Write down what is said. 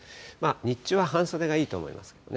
日中は半袖がいいと思います。